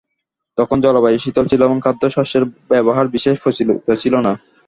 তখন জলবায়ু শীতল ছিল এবং খাদ্য-শস্যের ব্যবহার বিশেষ প্রচলিত ছিল না।